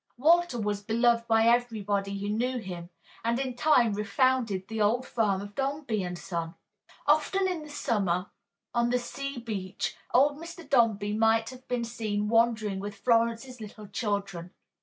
Walter was beloved by everybody who knew him, and in time refounded the old firm of Dombey and Son. Often in the summer, on the sea beach, old Mr. Dombey might have been seen wandering with Florence's little children.